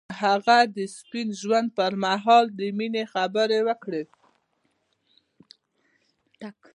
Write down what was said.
هغه د سپین ژوند پر مهال د مینې خبرې وکړې.